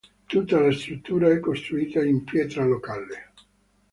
Tutta la struttura è costruita in pietra locale.